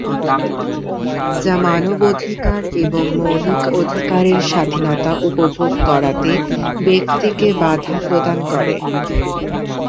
যা মানব অধিকার এবং মৌলিক অধিকারের স্বাধীনতা উপভোগ করাতে ব্যক্তিকে বাধা প্রদান করে।